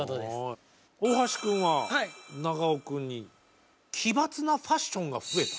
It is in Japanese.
大橋くんは長尾くんに「奇抜なファッションが増えた」？